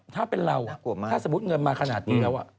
ถ้าเป็นเราถ้าสมมุติเงินมาขนาดนี้แล้ว